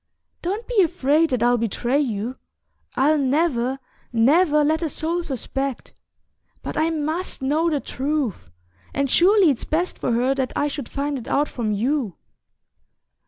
Don't be afraid that I'll betray you...I'll never, never let a soul suspect. But I must know the truth, and surely it's best for her that I should find it out from you."